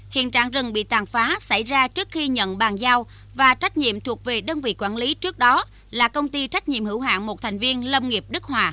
hiện trạng rừng bị tàn phá xảy ra trước khi nhận bàn giao và trách nhiệm thuộc về đơn vị quản lý trước đó là công ty trách nhiệm hữu hạng một thành viên lâm nghiệp đức hòa